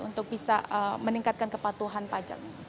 untuk bisa meningkatkan kepatuhan pajak